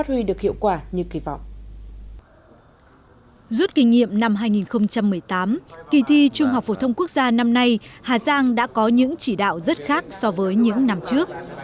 trước kỷ niệm năm hai nghìn một mươi tám kỳ thi trung học phổ thông quốc gia năm nay hà giang đã có những chỉ đạo rất khác so với những năm trước